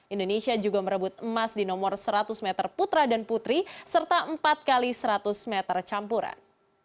indonesia juga merebut emas di nomor seratus meter putra dan putri serta empat x seratus meter campuran